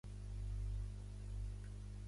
Què té a les mans Cupido?